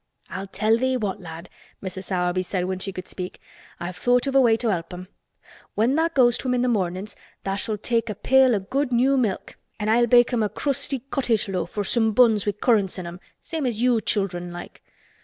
"I'll tell thee what, lad," Mrs. Sowerby said when she could speak. "I've thought of a way to help 'em. When tha' goes to 'em in th' mornin's tha' shall take a pail o' good new milk an' I'll bake 'em a crusty cottage loaf or some buns wi' currants in 'em, same as you children like.